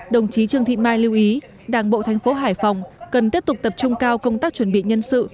đồng chí trương thị mai lưu ý đảng bộ thành phố hải phòng cần tiếp tục tập trung cao công tác chuẩn bị nhân sự